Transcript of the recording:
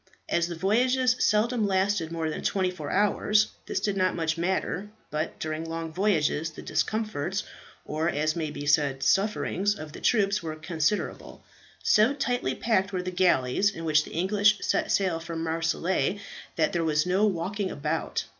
As the voyages seldom lasted more than twenty four hours, this did not much matter, but during long voyages the discomforts, or as may be said sufferings, of the troops were considerable. So tightly packed were the galleys in which the English set sail from Marseilles, that there was no walking about.